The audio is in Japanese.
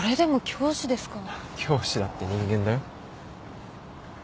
教師だって人間だよ。